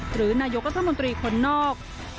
หรือนายกรัฐมนตรีคนนอก